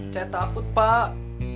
saya takut pak